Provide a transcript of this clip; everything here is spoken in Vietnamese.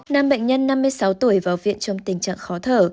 nam bệnh nhân năm mươi sáu tuổi vào viện trong tình trạng khó thở